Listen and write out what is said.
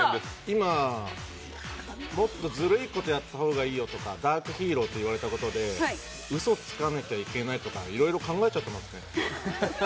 今、もっとずるいことやった方がいいよとか、ダークヒーローと言われたことでうそつかなきゃいけないとかいろいろ考えちゃってますね。